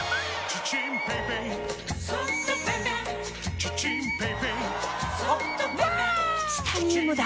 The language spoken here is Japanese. チタニウムだ！